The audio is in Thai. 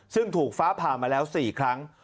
ซึ่งถูกฟ้าผ่ามาแล้ว๔ครั้ง